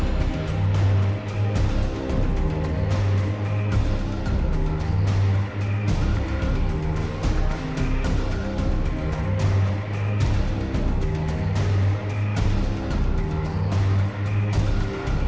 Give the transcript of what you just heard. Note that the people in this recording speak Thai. และกอกลับภายในแล้วอ่อนกี่สำหรับเครื่องด้านกลับภายในและอ่อนกี่ตามแนวที่ออกในของเรา